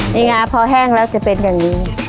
นี่ไงพอแห้งแล้วคือเป็นแบบนี้